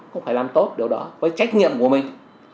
cũng phải làm tốt điều đó với trách nhiệm của mình